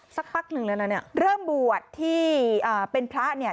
สักพักหนึ่งแล้วนะเนี่ยเริ่มบวชที่เป็นพระเนี่ย